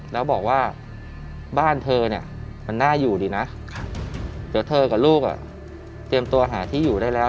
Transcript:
แล้วบอกว่าบ้านเธอเนี่ยมันน่าอยู่ดีนะเดี๋ยวเธอกับลูกเตรียมตัวหาที่อยู่ได้แล้ว